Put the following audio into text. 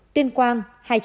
tiên quang hai mươi chín